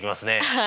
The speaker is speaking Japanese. はい。